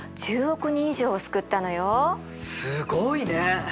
すごいね！